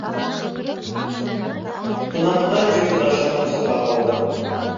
Ҡунаҡ та тетя Дашаны ҡосаҡлап алды.